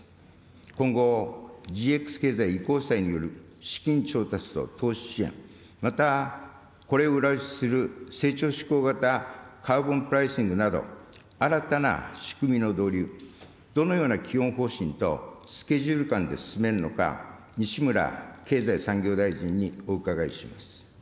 今後、ＧＸ経済移行債による資金調達と投資支援、また、これを裏打ちする成長志向型カーボンプライシングなど、新たな仕組みの導入、どのような基本方針とスケジュール感で進めるのか、西村経済産業大臣にお伺いします。